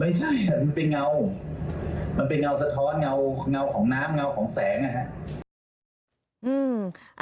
ไม่ใช่มันเป็นเงามันเป็นเงาสะท้อนเงาของน้ำเงาของแสงนะครับ